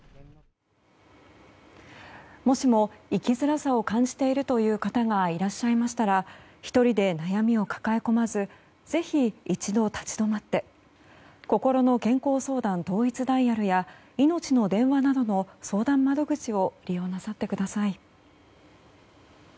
もしも生きづらさを感じているという方がいらっしゃいましたら１人で悩みを抱えこまずぜひ一度立ち止まってこころの健康相談統一ダイヤルやいのちの電話などの相談窓口を利用なさってください。